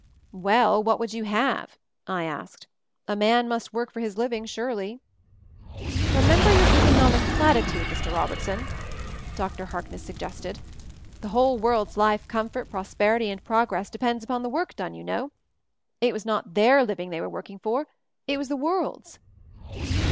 "Well, what would you have?" I asked. "A man must work for his living surely." "Remember your economic platitude, Mr. 138 MOVING THE MOUNTAIN Robertson," Dr. Harkness suggested. "The whole world's life, comfort, prosperity and progress depends upon the work done, you know. It was not their living they were working for; it was the world's."